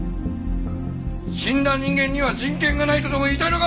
死んだ人間には人権がないとでも言いたいのか！